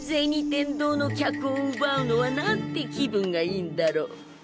天堂の客をうばうのはなんて気分がいいんだろう。